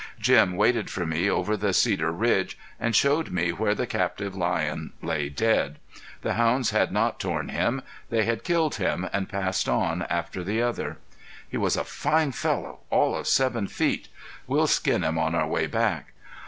Jim waited for me over the cedar ridge and showed me where the captive lion lay dead. The hounds had not torn him. They had killed him and passed on after the other. "He was a fine fellow, all of seven feet, we'll skin him on our way back."